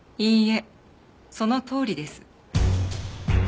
いいえそのとおりです。